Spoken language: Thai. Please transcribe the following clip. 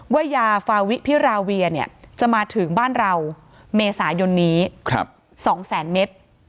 ว่ายาฟาวิพิราเวียจะมาถึงบ้านเราเมษายนนี้๒แสนเมตร